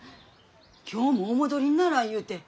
今日もお戻りにならんゆうて。